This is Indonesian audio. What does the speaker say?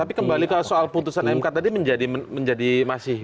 tapi kembali ke soal putusan mk tadi menjadi masih